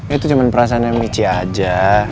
itu cuma perasaan yang michi aja